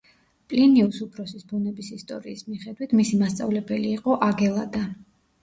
პლინიუს უფროსის ბუნების ისტორიის მიხედვით მისი მასწავლებელი იყო აგელადა.